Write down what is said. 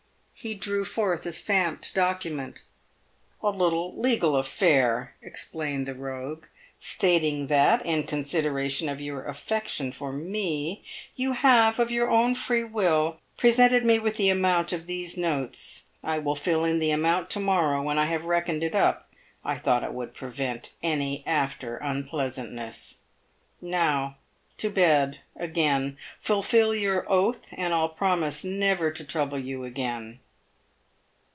He drew forth a stamped document. "A little legal affair," explained the rogue, "stating that, in con sideration of your affection for me, you have, of your own free will, presented me with the amount of these notes. I will fill in the amount to morrow, when I have reckoned it up. I thought it would prevent any after unpleasantness. Now to bed again. Fulfil your oath, and I'll promise never to trouble you again."